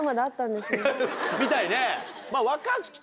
みたいね。